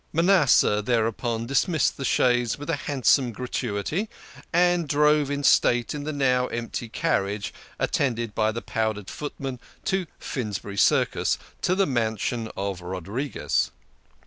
Manasseh thereupon dismissed the chaise with a handsome gratuity, and drove in state in the now empty carriage, attended by the powdered footman, to Finsbury Circus, to the mansion of Rodriques.